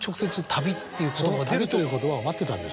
「旅」という言葉を待ってたんですねじゃあ。